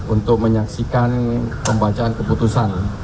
untuk menyaksikan pembacaan keputusan